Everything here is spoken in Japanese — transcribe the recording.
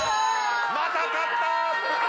また勝った！